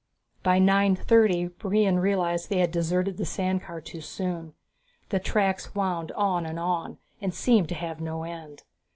By nine thirty Brion realized they had deserted the sand car too soon. The tracks wound on and on, and seemed to have no end.